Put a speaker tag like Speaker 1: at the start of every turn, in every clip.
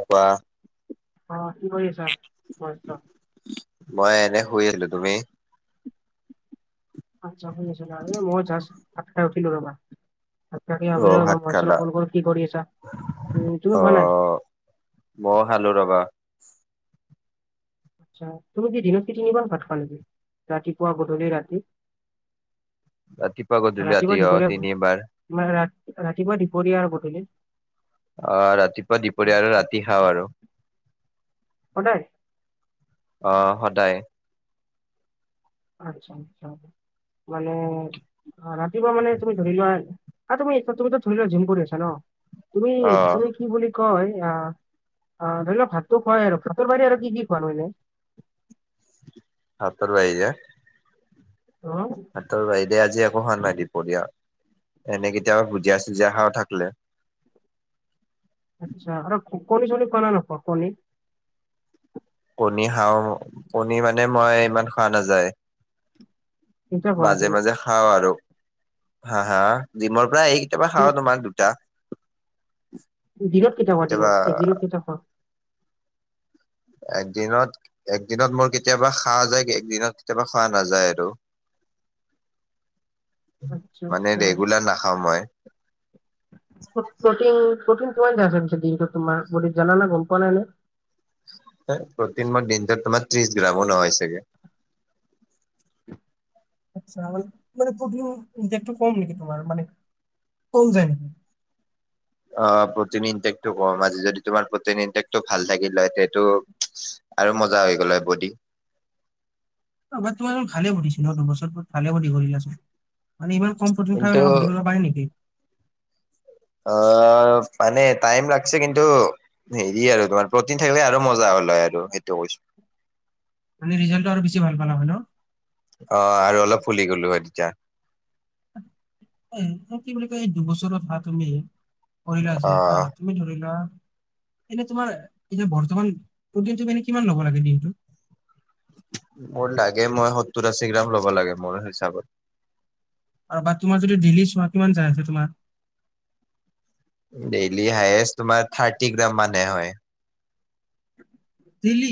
Speaker 1: কুৱোৱা [inaudible]
Speaker 2: অ' কি কৰি আছা? মছ
Speaker 1: মই এনে শুই আছিলো তুমি?
Speaker 2: আচ্ছা শুই আছো, সাতাই উঠিলো ৰবা [inaudible] আে
Speaker 1: অ
Speaker 2: ভাবিছো
Speaker 1: ভাত
Speaker 2: মই
Speaker 1: খালা
Speaker 2: কল কৰো কি কৰি আছা উ তুমি ভাল নাইছা [inaudible]
Speaker 1: মই খালো ৰ'বা।
Speaker 2: তুমি কি দিনত তিঠি [inaudible] নিবা ফাটকান দি ৰাতিপুৱা গধলি ৰাতি
Speaker 1: ৰাতিপুৱা গধূলি ৰাতি অ'তিনি বাৰ।
Speaker 2: আমাৰ ইয়াত ৰাতিপুৱা দুপৰীয়া আৰু বধূলি।
Speaker 1: আহ ৰাতিপুৱা দুপৰীয়া আৰু ৰাতি খাওঁ আৰু।
Speaker 2: সদায়?
Speaker 1: অ' সদায়।
Speaker 2: আচ্ছা আচ্ছা, মানে অ ৰাতিপুৱা মানে তুমি ধৰি লোৱা তুমি তুমিতো ধৰি লোৱা জিম কৰি আছা ন তুমি
Speaker 1: অ
Speaker 2: তুমি কি বুলি কয় অ অ ধৰি লোৱা ভাতো খুৱাই আৰু ভাতৰ বাহিৰে আৰু কি কি খোৱা নো এনেই
Speaker 1: ভাতৰ বাহিৰে
Speaker 2: অঁ
Speaker 1: ভাতৰ বাহিৰে আজি একো খোৱা নাই দিপৰিয়া এনেই কেইতিয়াও ভুজিয়া চুজিয়া খাওঁ থাকিলে
Speaker 2: আচ্ছা আৰু কণী চনি খোৱা নে নোখোৱা কণী
Speaker 1: কণী খাওঁ কণী মানে মই ইমান খোৱা নাযায়
Speaker 2: কেতিয়া খোৱা
Speaker 1: মাজে
Speaker 2: দিনত
Speaker 1: মাজে খাও আৰু হা হা জিমৰ পৰা আহি কেতিয়াবা খাওঁ
Speaker 2: দিন-
Speaker 1: তোমাৰ দুটা
Speaker 2: দিনত কেইটা খোৱা
Speaker 1: কেতিয়াবা
Speaker 2: দিনত একদিনত কেইটা খোৱা
Speaker 1: এক দিনত একদিনত মোৰ কেতিয়াবা খোৱা যায় একদিনত কেতিয়াবা খোৱা নাযায় আৰু [inaudible]
Speaker 2: আচ্ছা
Speaker 1: মানে
Speaker 2: আচ্ছা
Speaker 1: ৰেগুলাৰ নাখাওঁ মই
Speaker 2: প্ৰ প্ৰটিন প্ৰটিন কিমান যায় আছে দিনটোত তোমাৰ বডিত জানা না গম পোৱা নাই নে
Speaker 1: প্ৰটিন মই দিনটোত তোমাৰ ত্ৰিশ গ্ৰামো নহয় চাগে
Speaker 2: আচ্ছা মানে প্ৰটিন ইনটেকটো কম নেকি তোমাৰ মানে কম যায় নেকি
Speaker 1: অ প্ৰটিন ইনটেকটো কম আজি যদি তোমাৰ প্ৰটিন ইনটেকটো ভাল থাকিল হয় তেটো আৰু মজা হৈ গ'ল হয় বডি
Speaker 2: আবাটো আৰু ভালে সুধিছোঁ ন দুবছৰটোত ভালে দিয়াচোন মানে ইমান কমফৰ্টিং
Speaker 1: কিন্তু
Speaker 2: সুধিব পাই নেকি
Speaker 1: অ পানে টাইম লাগছে কিন্তু হেৰি আৰু তোমাৰ প্ৰটিন থাকিলে আৰু মজা হ'ল হয় আৰু সেইটো কৈছো
Speaker 2: মানে ৰিজাল্টো আৰু বেছি ভাল পালা হয় ন
Speaker 1: অ আৰু অলপ ফুলি গলো হয় তেতিয়া
Speaker 2: এ কি বুলি কয় এই দুবছৰত হা তুমি কৰিলা
Speaker 1: অ
Speaker 2: যে হা তুমি ধৰি লোৱা এনে তোমাৰ এতিয়া বৰ্তমান প্ৰটিনটো কিমান ল'ব লাগে দিনটোত
Speaker 1: মোৰ লাগে মই সত্তৰ আশী গ্ৰাম ল'ব লাগে মোৰ হিচাপত
Speaker 2: আৰু বা তোমাৰ যদি দেইলি চোৱা কিমান যায় আছে তোমাৰ
Speaker 1: ডেইলি হায়েষ্ট তোমাৰ থাৰ্টি গ্ৰাম মানহে হয়
Speaker 2: দেইলি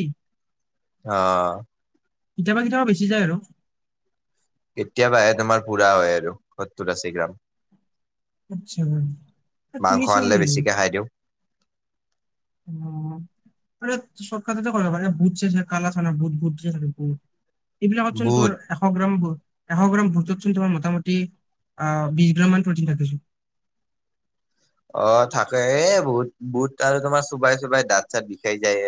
Speaker 1: অ
Speaker 2: কেতিয়াবা কেতিয়াবা বেছি যায় আৰু
Speaker 1: কেতিয়াবাহে তোমাৰ পুৰা হয় আৰু সত্তৰ আশী গ্ৰাম
Speaker 2: আচ্ছা তুমি
Speaker 1: মাংস
Speaker 2: চোন
Speaker 1: আনিলে বেছিকে খাই দিওঁ
Speaker 2: উম শ্বৰ্ত এটা কৰিব পাৰা বুট যে থাকে কালা চানা বুট বুট যে থাকে বুট এইবিলাকত চোন
Speaker 1: বুট
Speaker 2: তোমাৰ এশ গ্ৰাম বুট এশ গ্ৰাম বুটত চোন তোমাৰ মোটামুটি অ বিশ গ্ৰাম মান প্ৰটিন থাকে চোন
Speaker 1: অ থাকে এ বহুত বহুত আৰু তোমাৰ চোবাই চোবাই দাঁত চাত বিষাই যায়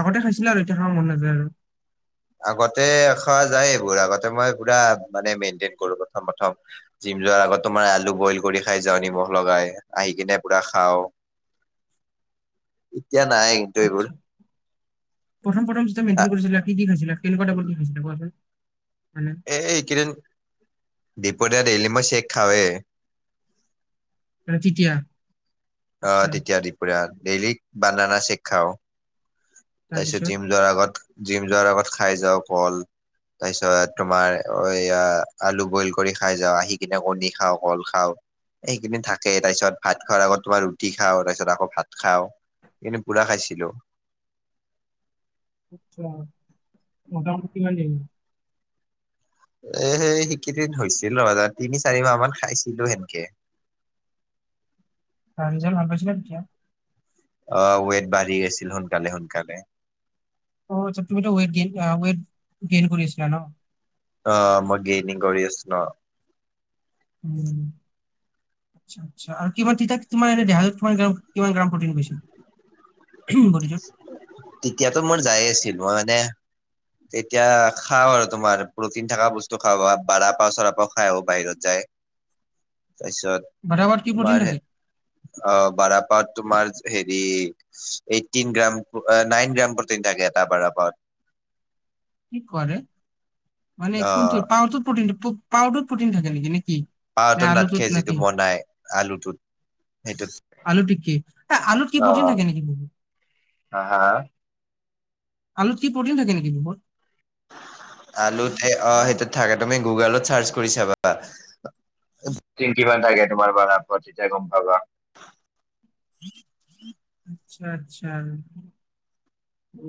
Speaker 2: আগতে খাইছিলে আৰু এতিয়া খাব মন নাযায় আৰু
Speaker 1: আগতে খোৱা যায় এইবোৰ আগতে মই পুৰা মানে মেইনটেইন কৰো প্ৰথম প্ৰথম জিম যোৱাৰ আগত তোমাৰ আলু বইল কৰি খাই যাও নিমখ লগাই আহি কিনে পুৰা খাওঁ এতিয়া নাই কিন্তু এইবোৰ
Speaker 2: আটছা প্ৰথম প্ৰথম তই মেনটেন কৰিছিলা, কি খাইছিলা কেনেকুৱা টাইপৰ কি খাইছিল কোৱাচোন? মানে
Speaker 1: এইকেইদিন দিপদে ডেইলি মাছ চেক খাওঁৱে।
Speaker 2: আৰু তেতিয়া।
Speaker 1: অ
Speaker 2: আচ্ছা
Speaker 1: তেতিয়া দুপুৰীয়া ডেইলি বানানা চেক খাওঁ। তাৰ পিছত
Speaker 2: তাৰপিছত
Speaker 1: জিম যোৱাৰ আগত জিম যোৱাৰ আগত খাই যাওঁ কল। তাৰপিছত তোমাৰ এই আলু বইল কৰি খাই যাওঁ, আহি কিনে কণী খাওঁ, কল খাওঁ। সেইখিনি থাকে তাৰপিছত ভাত খোৱাৰ আগত তোমাৰ ৰুটি খাওঁ তাৰপিছত আকৌ ভাত খাওঁ। এইকেইদিন পুৰা খাইছিলো।
Speaker 2: আচ্ছা মোটামুটি কিমান দিন?
Speaker 1: এ সেইকেইদিন হৈছিল [unintelligible] তিনি চাৰি মাহ মান খাইছিলো সেনকে।
Speaker 2: ৰিজাল ভাল পাইছিলা, তেতিয়া।
Speaker 1: অৱ ৱেট বাঢ়ি আছিল সোনকালে সোনকালে।
Speaker 2: অ তুমি এ ৱট গেইন ৱট গেইন কৰি আছিলা ন।
Speaker 1: অৱ মই গেইনিং কৰি আছো ন।
Speaker 2: উম। আচ্ছা আচ্ছা আৰু কিমান তিতাত কিমান এত কি কিমান গ্ৰাম প্ৰ'টিন পাইছা।
Speaker 1: তেতিয়াতো মোৰ যাই আছিল মই মানে তেতিয়া খাও আৰু তোমাৰ প্ৰটিন থকা বস্তু খাও বা পাও চৰা পৰাাও খাই বাহিৰত যায়। তাৰপিছত।
Speaker 2: [unintelligible] কি প্ৰটিন
Speaker 1: তোমাৰ
Speaker 2: থাকে?
Speaker 1: অ বাৰপ তোমাৰ হেৰি eighteen gram nine gram protein থাকে এটা বাৰফত।
Speaker 2: কি কোৱা হে, মানে কোনটো
Speaker 1: অ'
Speaker 2: পাউটো প্ৰটিন পাউ প্ৰটিন থাকে নেকি নেকি?
Speaker 1: পাউ টো নাট খে যিটো বনাই আলুটোত। সেইটোত।
Speaker 2: আলুতু কি? এই আলুত কি
Speaker 1: অ
Speaker 2: প্ৰটিন থাকে নেকি?
Speaker 1: হা হা!
Speaker 2: আলুত কি প্ৰটিন থাকে নেকি? বুৰ্বক।
Speaker 1: আলুত অ সেইটো থাকে তুমি গুগলত চাৰ্চ কৰি চাবা। এইটণ্টিন কিমান থাকে তোমাৰ বাৰাফত তেতিয়া গম পাবা।
Speaker 2: আচ্ছা আচ্ছা অ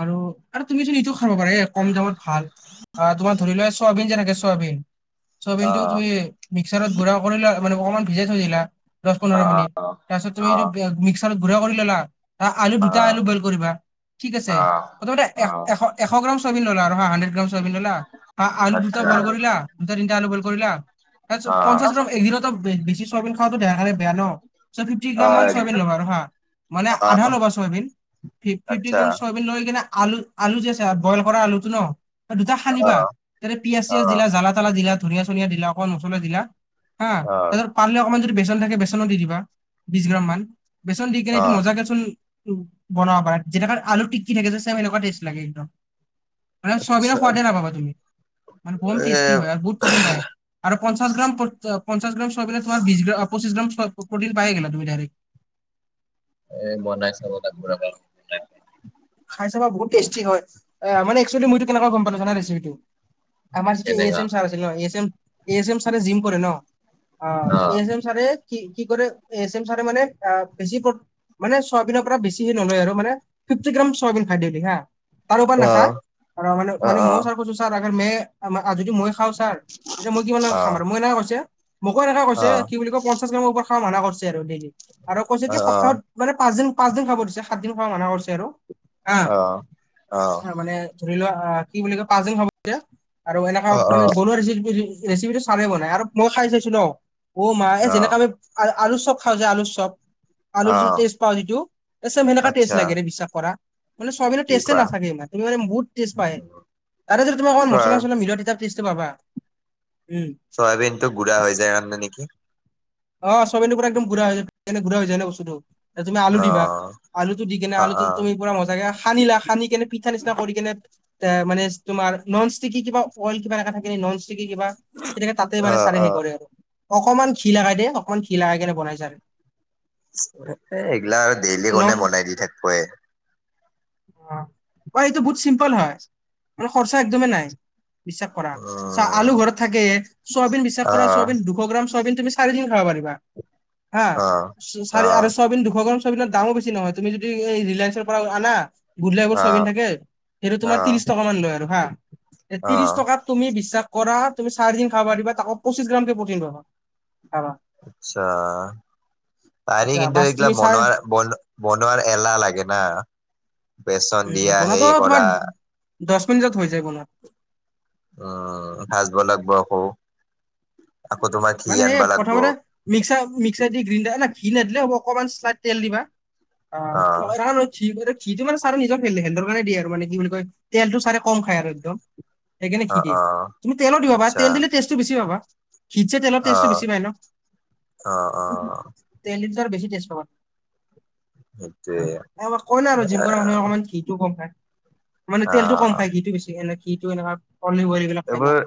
Speaker 2: আৰু আৰু তুমি যদি ইটোও খাব পাৰে এ কম দামত ভাল তোমাৰ ধৰি লোৱা চয়াবিন যেনেকে চয়াবিন। চয়াবিনটো
Speaker 1: অ'
Speaker 2: তুমি মিক্সাৰত গুৰা কৰি ল মানে অকমান ভিজাই থৈ দিলা। দচ পোন্ধৰ
Speaker 1: অ'
Speaker 2: মিনিট তাৰ পিছত তুমি এইটো মিক্সাৰত গুৰা কৰি ল'লা। আলু দুটা আলু
Speaker 1: অ'
Speaker 2: বইল কৰিবা। ঠিক আছে।
Speaker 1: অ'
Speaker 2: প্ৰথমতে
Speaker 1: অ'
Speaker 2: এশ এশ গ্ৰাম চয়াবিন ললা হা হাড্ৰেড গ্ৰাম চয়াবিন ললা। আ আলু দুটা
Speaker 1: আচ্ছা
Speaker 2: বইল কৰিলা দুটা তিনিটা আলু বইল কৰিলা তাৰপিছত পঞ্চাশ
Speaker 1: অ'
Speaker 2: গ্ৰাম এদিনত বেছি চয়াবিন খোৱাটো দেহাৰ কাৰণে বেয়া ন। ‌ চয়াবিন ত্ৰিচ
Speaker 1: অ'
Speaker 2: গ্ৰাম মান চয়াবিন
Speaker 1: অ'
Speaker 2: লবা আৰু হা মানে আধা লবা চয়াবিন ফিফ ফিফটি‌
Speaker 1: আচ্ছা
Speaker 2: গ্ৰাম চয়াবিন লৈকিনে আলু আলু যে আছে বইল কৰা আলুটো ন দুটা সানিবা।
Speaker 1: অ'
Speaker 2: তাতে পিয়াজ
Speaker 1: অ'
Speaker 2: চিয়াজ দিলা জ্বালা তালা দিলা ধুনীয়া চনীয়া দিলা অকণ মচলা দিলা হা
Speaker 1: অ'
Speaker 2: তাৰপিছত পাৰলে অকমান যদি বেচন থাকে বেচনো দি দিবা বিচ গ্ৰাম মান বেচন দি কিনে এইটো
Speaker 1: অ'
Speaker 2: মজাকেচোন বনাব পাৰা যেনেকে আলু টিক‌্কি থাকে যে চেম এনেকুৱা টেষ্ট লাগে একদম। মানে
Speaker 1: আচ্ছা
Speaker 2: চয়াবিনৰ সোৱাদে নাপাবা তুমি। মানে বম
Speaker 1: এ
Speaker 2: টেষ্টি হয় আৰু বহুত প্ৰটিন হয় আৰু পঞ্চাশ গ্ৰাম ত' পঞ্চাশ গ্ৰাম চয়াবিনত তোমাৰ বিশ গ্ৰা পচিছ গ্ৰাম প প্ৰটিন পায়ে গেলা তুমি ডাইৰেক্ট।
Speaker 1: এই বনাই চাব লাগিব ৰবা।
Speaker 2: খাই চাবা বহুত টেষ্টি হয়, এ' মানে এক্সচুৱেলী মই এইটো কেনেকে গম পালো জানা ৰেচিপিটো? আমাৰ যিটো এ এছ
Speaker 1: তেনেকা
Speaker 2: এম চাৰ আছিল ন, A S M A S M চাৰে জিম কৰে ন অ এ এছ এম। চাৰে কি কি কৰে এ এচ এম চাৰে মানে এ বেছি [unintelligible] মানে ছয় দিনৰ পৰা বেছিহে নলয় আৰু মানে। [unintelligible] চয়াবিন [unintelligible] তাৰ উপাৰ
Speaker 1: অ
Speaker 2: নাখায় আৰু
Speaker 1: অ অ
Speaker 2: মানে মইয় ছাৰ কৈছো ছাৰ অগৰ মে যদি মই খাওঁ ছাৰ তেতিয়া মই কিমান‌ মান খাম আৰু মোক এনাকে কৈছে মোকো এনেকে
Speaker 1: অ
Speaker 2: কৈছে কি বুলি কয় পঞ্চাশ গ্ৰামৰ ওপৰত খাব মানা কৰছে আৰু ডেইলি আৰু কৈছে
Speaker 1: অ অ
Speaker 2: কি সপ্তাহত মানে পাঁচদিন - পাঁচদিন খাব দিছে সাত দিন খাব মানা কৰিছে আৰু।
Speaker 1: অ
Speaker 2: [unintelligible] মানে ধৰি লোৱা আহ কি বুলি কয় পাঁচদিন খাব দিছে আৰু এনেকা
Speaker 1: অ
Speaker 2: মানে বনোৱা ৰেচিপি ৰেচিপিটো ছাৰে বনাই আৰু মই খাই চাইছো ন। অ' মা এই
Speaker 1: অ
Speaker 2: যেনাকে আমি আলু চপ খাওঁ যে আলুৰ চপ আলুৰ
Speaker 1: অ
Speaker 2: যিটো টেষ্ট পাওঁ যিটো ছেম সেনেকা
Speaker 1: আচ্ছা
Speaker 2: টেষ্ট লাগে ৰে বিশ্বাস কৰা। মানে চয়াবিনৰ
Speaker 1: কি
Speaker 2: টেষ্টে
Speaker 1: কোৱা
Speaker 2: নাথাকে ইমান তুমি মানে বহুত টেষ্ট পায় তাতে যদি তুমি অকন
Speaker 1: চোৱা
Speaker 2: মছলা চছলা মিলোৱা তেতিয়া টেষ্ট টো পাবা, উম।
Speaker 1: চয়াবিনটো গু়ৰা হৈ যায় কাৰনে নেকি?
Speaker 2: অ' ছয়াবিনটো পুৰা একদম গুৰা হৈ যায় গুৰা হৈ যায় ন বস্তুটো। [unintelligible] তুমি আলু
Speaker 1: অ
Speaker 2: দিবা আলুটো দি কিনে
Speaker 1: অ
Speaker 2: আলুটো
Speaker 1: অ
Speaker 2: তুমি পুৰা মজাকে সানিলা সানিকেনে পিঠা নিচনা কৰিকেনে মানে তোমাৰ নন ষ্টিকি কিবা অইল কিবা এনেকে থাকে নন কি কবা, তেতিয়া তাতে
Speaker 1: অ
Speaker 2: মানে
Speaker 1: অ
Speaker 2: চাৰেহে কৰে আৰু [inaudible] অকমান ঘি লাগাই দিয়ে, অকমান ঘি লাগাই কেনে বনাই ছাৰ।
Speaker 1: এ' এইগিলা আৰু ডেইলি
Speaker 2: নন
Speaker 1: কোনে বনাই দি থাকব এ'।
Speaker 2: [unintelligible] অ এইটো বহুত চিম্পল হয় খৰচা একদমেই নাই বিশ্বাস কৰা চা
Speaker 1: উম
Speaker 2: আলু ঘৰত থাকেয়ে, ছয়াবিন বিশ্বাস
Speaker 1: অ
Speaker 2: কৰা ছয়াবিন দুশ গ্ৰাম ছয়াবিন তুমি চাৰিদিন খাব পাৰিবা হা
Speaker 1: অ
Speaker 2: চ
Speaker 1: অ
Speaker 2: চাৰি আৰু চয়াবিন‌ দুশ গ্ৰা [unintelligible] দামো বেছি নহয়, তুমি যদি এই ৰিলায়েন্ঞ্চৰ পৰা আনা। গুডলাকৰ
Speaker 1: অ
Speaker 2: চয়াবিন থাকে, সেইটো
Speaker 1: অ
Speaker 2: তোমাৰ ত্ৰিশ টকা মান লয় আৰু সা এই
Speaker 1: অ
Speaker 2: ত্ৰিশ টকা [unintelligible] তুমি বিশ্বাস কৰা তুমি চাৰিদিন খাব পাৰিবা তাকো পঁচিশ গ্ৰামকে প্ৰটিন পাবা খাবা
Speaker 1: আচ্ছা, পাৰি
Speaker 2: যা
Speaker 1: কিন্ত‌
Speaker 2: বাছ
Speaker 1: এইগিলা
Speaker 2: তুমি চাই
Speaker 1: বনোৱা বন বনোৱাৰ এলাহ লাগে না, বেচন দিয়া হেৰি কৰা।
Speaker 2: দচ মিনিটত হৈ যায় বনোৱা।
Speaker 1: উম, ভাজব লাগিব আকৌ, আকৌ তোমাৰ
Speaker 2: মানে
Speaker 1: ঘি
Speaker 2: সেই
Speaker 1: আনব লাগিব।
Speaker 2: প্ৰথমতে মিক্সাৰ - মিক্সাৰ দি গ্ৰীণ্ডাৰা ঘি নাদিলে হ'ব অকনমান চ্লাইট তেল দিবা। ঘি
Speaker 1: অ',
Speaker 2: টো মানে ছাৰে নিজৰ হেল্থৰ কাৰণে দিয়ে আৰু মানে কি বুলি কয় তেলতটো চাৰে কম খায় আৰু একদম। সেইকাৰনেে ঘি
Speaker 1: অ',
Speaker 2: দিয়
Speaker 1: অ',
Speaker 2: তুমি তেলো দিবা
Speaker 1: আচ্ছা,
Speaker 2: তেল দিলে টেষ্টটো বেছি পাবা। ঘিত চাই তেলৰ টেষ্টটো
Speaker 1: অ',
Speaker 2: বেছি পায়
Speaker 1: অ',
Speaker 2: ন,
Speaker 1: অ'।
Speaker 2: তেল বেছি টেষ্ট পাবা।
Speaker 1: সেইটোৱে,
Speaker 2: কই ন আৰু জিম কৰা মানুহে অকমান কিটো কম খাই। মানে তেলতটো কম
Speaker 1: অ',
Speaker 2: খাই ঘিটো বেছি এনে ঘি টো এনেুৱা পল [inaudible]
Speaker 1: এইবোৰ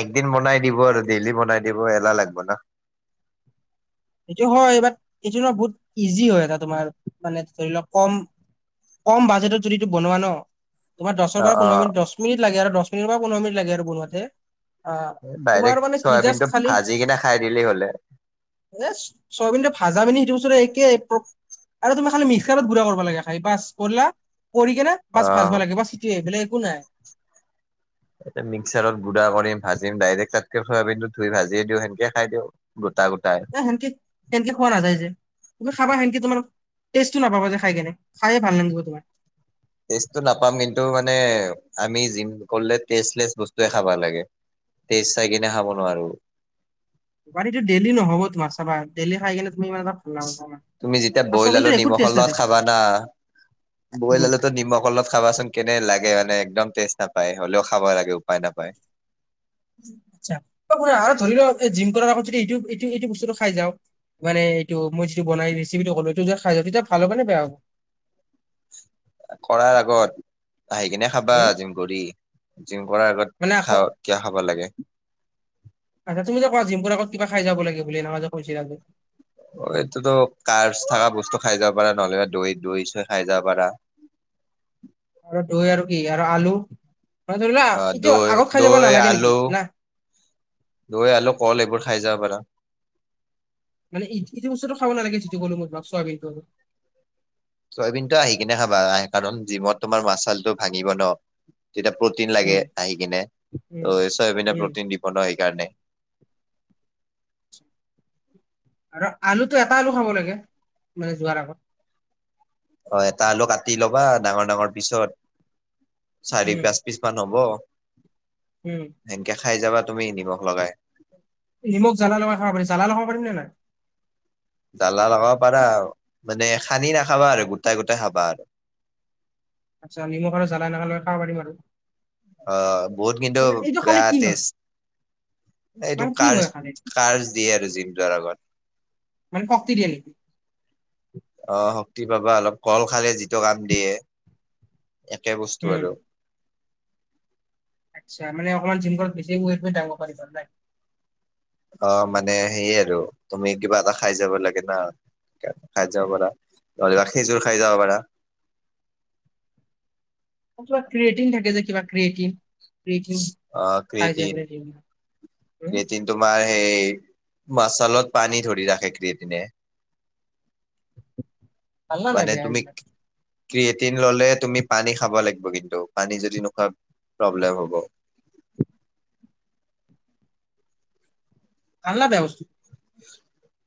Speaker 1: একদিন বনাই দিব আৰু ডেইলি বনাই দিব এলাহ লাগব ন।
Speaker 2: এইটো হয় বাট এইটো ন বহুত ইজি হয় এটা তোমাৰ মানে ধৰি লওক কম। কম বাজেটত যদিটো বনোৱা ন তোমাৰ দহৰ
Speaker 1: অ',
Speaker 2: পৰা পোন্ধৰ
Speaker 1: অ',
Speaker 2: মি দ মিনিট লাগে আৰু দহ মিটৰ পন্ধৰ মিনি লাগে আৰু বনোৱাতে। [inaudible]
Speaker 1: এ'
Speaker 2: তোমাৰ
Speaker 1: দাইৰেক্ট
Speaker 2: মানে কি জাষ্ট
Speaker 1: চয়াবিন টো
Speaker 2: খালি
Speaker 1: ভাজি কিনে খাই দিলেই হলে
Speaker 2: এ ছয়াবিনটো ভাজা [unintelligible] আৰু তুমি খালি মিক্সাৰত গুড়া কৰিব লাগে খাই বাছ কৰিলা কৰি কেনে বাছ ভাজব
Speaker 1: অ',
Speaker 2: ভাল লাগে বাচ সিটোৱে বেলেগ একো নাই
Speaker 1: এ মিক্সাৰত গুড়া কৰিম ভাজিম ডাইৰেক্ট তাতকে ফয়াবিনতো ধুই ভাজিয়ে দিওঁ সেনেকে খাই দিওঁ গোটা গোটাই
Speaker 2: এ সেনকে সেনকে খোৱা নাযায় যে ত খাবা সেনকে তোমাৰ টেষ্টটো নাপাব যে খাই কেনে খায়ে ভাল নাগিব তোমাৰ
Speaker 1: ষ্টেটো নাপাম কিন্তু মানে আমি জিম কৰিলে টেষ্টলেচ বস্তুৱে খাব লাগে তেজ চাই কিনে খাব নোৱাৰো
Speaker 2: [unintelligible] টো ডেইলি নহব তোমাৰ চাবা ডেইি খাই কিনে তুমি মানে ভাল নাপাবা
Speaker 1: তুমি যেতিয়া
Speaker 2: আৰু
Speaker 1: বইল
Speaker 2: চাওমিনটোৰ
Speaker 1: আলো
Speaker 2: একো
Speaker 1: নিমখৰ
Speaker 2: টেষ্ট
Speaker 1: লগত
Speaker 2: নাথাকে
Speaker 1: খাবা না বইল
Speaker 2: উম
Speaker 1: হ'লে তো নিমখ অলপ খাবাচোন কেনে লাগে মানে একদম টেষ্ট নাপায় হ'লেও খাব লাগে উপায় নাপায়
Speaker 2: আচ্ছা আৰু ধৰি লও জিম কৰাৰ আগত যদি এইটো এইটো এইটো বস্তুটো খাই যাওঁ মানে এইটো মই যিটোনাই ৰেচিপিটো ক'লো এইটো যে খাই য তেতিয়া ভাল হবনে বেয়া হব
Speaker 1: কৰাৰ আগত আহি কিনে খাবা
Speaker 2: উম
Speaker 1: জিম কৰি জিম কৰাৰ আগত
Speaker 2: মানে আকৌ
Speaker 1: খা কিয় খাব লাগে
Speaker 2: আচ্ছা তোমি যে কোৱা জিম কৰা আগত কিবা খাই যাব লাগে বুলি এনেকে যে কৈছিলা যে
Speaker 1: অ এইটোতো কাৰ্চ থকা বস্তু খাই যাব পাৰা নহ'লে দৈ দৈ চৈ খাই যাব পাৰা
Speaker 2: আৰু দৈ আৰু কি আৰু আলু ম ধৰিলা
Speaker 1: অ
Speaker 2: এতিয়া
Speaker 1: দৈ
Speaker 2: আগত খাই যাব
Speaker 1: দৈ
Speaker 2: নালাগে
Speaker 1: আলু
Speaker 2: নেকি না
Speaker 1: দৈ আলু কল এইবোৰ খাই যাব পাৰা
Speaker 2: মানে যটো বস্তুটো খাব নালাগে যিটো কলো ম চয়াৱিনটো
Speaker 1: চয়াবিন টো আহি কিনে খাবা আহ কাৰণ জিমত তোমাৰ মাছালটো ভাঙিব ন তেতিয়া প্ৰটিন লাগে
Speaker 2: উম
Speaker 1: আহি কিনে
Speaker 2: উম
Speaker 1: ত চয়াবিন নে
Speaker 2: উম
Speaker 1: প্ৰটিন দিব ন সেইকাৰণে
Speaker 2: আৰু আলুটো এটা আলু খাব লাগে মানে যোৱাৰ আগত
Speaker 1: অ এটা আলু কাটি লবা ডাঙৰ ডাঙৰ পিছত চাৰি
Speaker 2: উম
Speaker 1: পাঁচ পিচ মান হব
Speaker 2: উম
Speaker 1: সেনকে খাই যাবা তুমি নিমখ লগাই
Speaker 2: নিমখ জালা লগ খাব পাৰি জাল লগাব পাৰি নে নাই
Speaker 1: ব্জালা লগাব পাৰা মানে সানি নাখাবা আৰু গোটাই গোটাই খাবা আৰু
Speaker 2: আচ্ছা নিমখ আৰু জ্বালা এনেকা লৈ খাব পাৰিম আৰু
Speaker 1: অ বহুত কিন্তু
Speaker 2: মানে এইটো খালে
Speaker 1: বেয়া
Speaker 2: কি হয়
Speaker 1: তেজ এইটো
Speaker 2: মানে কি
Speaker 1: কাৰ
Speaker 2: হয় খালে
Speaker 1: কাৰ্চ দিয়ে আৰু জিম যোৱাৰ আগত
Speaker 2: মানে পকতিৰিয়ল
Speaker 1: অ শক্তি পাবা অলপ কল খালে যিটো কাম দিয়ে একে বস্তু
Speaker 2: উম
Speaker 1: আৰু
Speaker 2: আচ্ছা মানে অকমান
Speaker 1: অ মানে সেয়ে আৰু তুমি কিবা এটা খাই যাব লাগে না খাই যাব পাৰা নহলেবা খেজুৰ খাই যাব পাৰা
Speaker 2: কিবা ক্ৰিয়েটিন থাকে যে কিবা ক্ৰিয়েটিন। ক্ৰিয়েটিন
Speaker 1: অ',
Speaker 2: খাই যায়
Speaker 1: ক্ৰেটিন।
Speaker 2: বোলে জিম উম
Speaker 1: ক্ৰেইটিন তোমাৰ সেই মাচালত পানী ধৰি ৰাখে ক্ৰটিনে।
Speaker 2: ভাল না নাই
Speaker 1: মানে
Speaker 2: বেয়া
Speaker 1: তুমি
Speaker 2: এইবিলাক
Speaker 1: ক্ৰিয়েটিন ললে তুমি পানী খাব লাগিব কিন্তু পানী যদি নোখোৱা প্ৰব্লেম হ'ব।
Speaker 2: ভাল নে ব্যৱস্থিত?
Speaker 1: [unintelligible]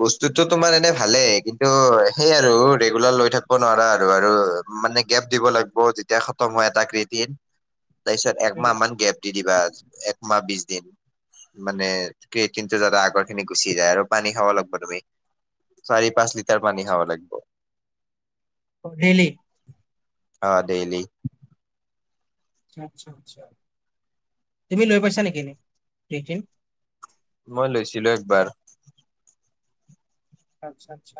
Speaker 1: বস্তুতটো তোমাৰ এনে ভালেই কিন্তু সেই আৰু ৰেগুলাৰ লৈ থাকিব নোৱাৰা আৰু আৰু মানে গেপ দিব লাগিব যেতিয়া খতম হয় এটা কৃতিন, তাৰপিছত
Speaker 2: উম
Speaker 1: একমাহ মান গেপ দি দিবা একমাহ বিছ দিন। মানে ক্ৰেটিন টো যাতে আগৰ খিনি গুচি যায় আৰু পানী খাব লাগিব তুমি চাৰি পাঁচ লিটাৰ পানী খাব লাগিব।
Speaker 2: ডেইলি?
Speaker 1: অ', ডেইলি।
Speaker 2: আচ্ছা আচ্ছা, তুমি লৈ পাইছা নেকি এনে ক্রেটিন?
Speaker 1: মই লৈছিলো একবাৰ।
Speaker 2: আচ্ছা আচ্ছা।